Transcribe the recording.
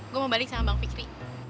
gue mau balik sama bang fikri